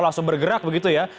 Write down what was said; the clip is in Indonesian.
langsung bergerak begitu ya